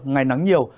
ngày nắng nhiều